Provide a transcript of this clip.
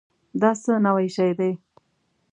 دا څه نوي شی دی؟